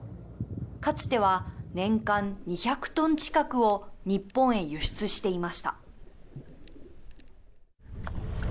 かつては年間２００トン近くを日本へ輸出していました。